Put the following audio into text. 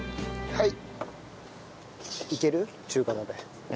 はい。